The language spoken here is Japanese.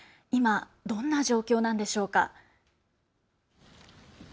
今、どんな状況なんでしょうか。